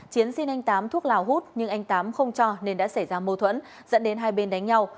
chiến xin anh tám thuốc lào hút nhưng anh tám không cho nên đã xảy ra mâu thuẫn dẫn đến hai bên đánh nhau